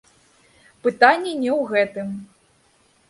Пытанне не ў гэтым.